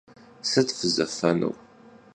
Sıt fızefênur?